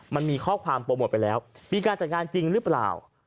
มันมีข้อความโปรโมทไปแล้วมีการจัดงานจริงหรือเปล่า